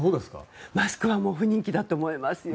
マスクは不人気だと思いますよ